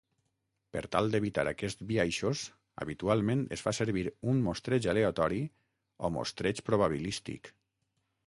Per tal d'evitar aquests biaixos habitualment es fa servir un mostreig aleatori o mostreig probabilístic.